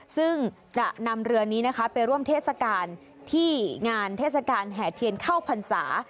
ซึ่งจะนำเรือนี้นะคะไปร่วมเทศกาลที่งานเทศกาลแห่เทียนเข้าพรรษา